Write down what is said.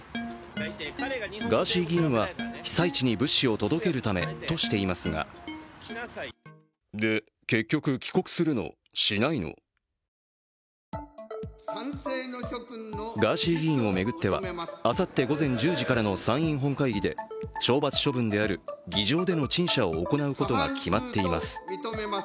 ガーシー議員は、被災地に物資を届けるためとしていますがガーシー議員を巡っては、あさって午前１０時からの参院本会議で懲罰処分である議場での陳謝を行うことが決まっています。